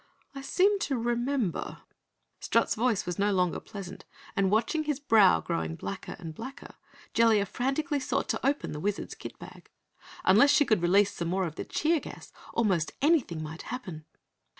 I seem to remember " Strut's voice was no longer pleasant, and watching his brow growing blacker and blacker, Jellia frantically sought to open the Wizard's kit bag. Unless she could release some more of the cheer gas, almost anything might happen.